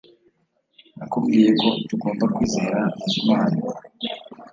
Nakubwiye ko tutagomba kwizera Bizimana